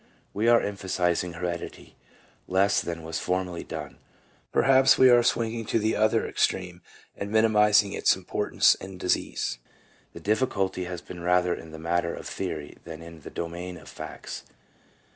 We are emphasizing heredity less than was formerly done; perhaps we are swinging to the other extreme and minimizing its importance in disease. The diffi culty has been rather in the matter of theory than in the domain of facts.